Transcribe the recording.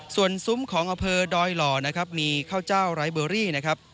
ส่วนซุ้มของอำเภอดอยหล่อนะครับมีข้าวเจ้าไร้เบอรี่นะครับ